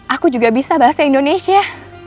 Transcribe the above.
aku juga bisa bahasa indonesia